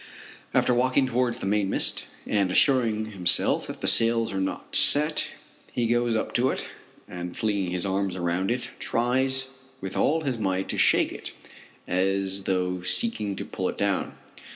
After walking towards the mainmast and assuring himself that the sails are not set, he goes up to it and flinging his arms around it, tries with all his might to shake it, as though seeking to pull it down.